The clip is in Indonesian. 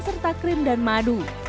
serta krim dan madu